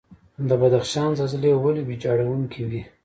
د بدخشان زلزلې ولې ویجاړونکې وي؟